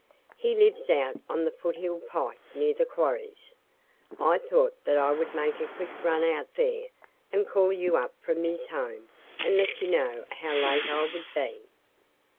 He lives out on the Foothill pike near the quarries. I thought that I would make a quick run out there and call you up from his home and let you know how late I would be.